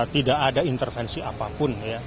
tidak ada intervensi apapun ya